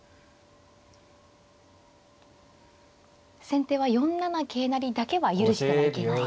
先手は４七桂成だけは許してはいけない。